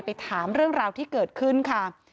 ไปถามเรื่องราวที่เกิดขึ้นค่ะ